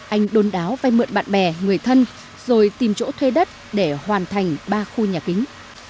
anh đôn đáo vay mượn bạn bè người thân rồi tìm chỗ thuê đất để hoàn thành ba khu nhà kính